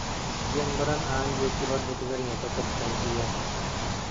диэн баран аан диэки барбытыгар ийэтэ сырсан тиийэн: